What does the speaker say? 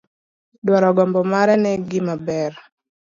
Dwaro gombo mare ne gima ber.